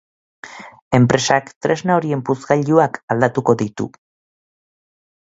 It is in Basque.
Enpresak tresna horien puzgailuak aldatuko ditu.